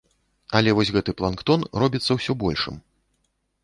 Але вось гэты планктон робіцца ўсё большым.